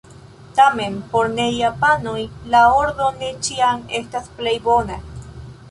Tamen, por ne-japanoj la ordo ne ĉiam estas plej bona.